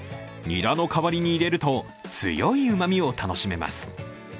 にらの代わりに入れると強いうまみを楽しめます。